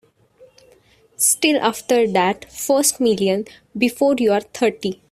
Still after that first million before you're thirty.